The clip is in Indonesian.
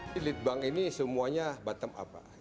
di lidbang ini semuanya bottom up